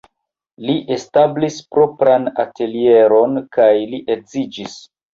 Li establis propran atelieron kaj li edziĝis.